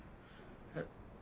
えっ。